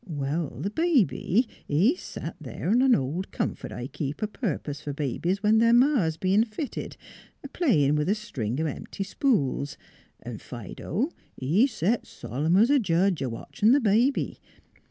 Well, th' baby, he set there on an old comfort I keep a purpose f'r babies when their mas is bein' fitted a playin' with a string of empty spools, 'n' Fido, he set solemn 's a jedge a watchin' th' baby.